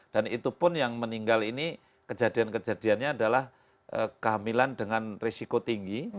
dan itu pun yang meninggal ini kejadian kejadiannya adalah kehamilan dengan risiko tinggi